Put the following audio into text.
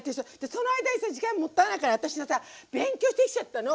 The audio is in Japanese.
その間にさ時間もったいないから私はさ勉強してきちゃったの！